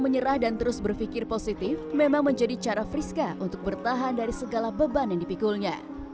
menyerah dan terus berpikir positif memang menjadi cara friska untuk bertahan dari segala beban yang dipikulnya